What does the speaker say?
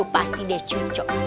pasti deh cucok